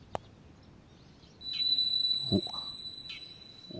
おっ。